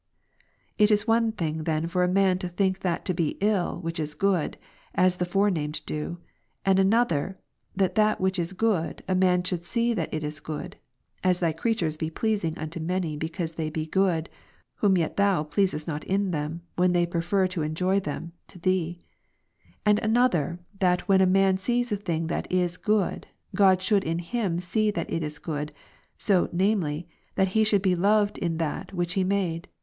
It is one thing then for a man to think that to he ill which is good, as the fore named do ; another, that that which is good, a man should see that it is good, (as Thy creatures he pleasing unto many, because they be good, whom yet Thou pleasest not in them, when they prefer to enjoy them, to Thee ;) and another, that when a man sees a thing that it is good, God should in him see that it is good, so, namely, that He should be loved in that which He made'.